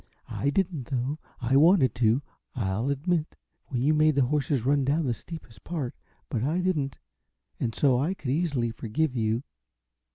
I didn't, though! I wanted to, I'll admit, when you made the horses run down the steepest part but I didn't, and so I could easily forgive you."